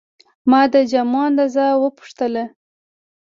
ما د جامو اندازه وپوښتله.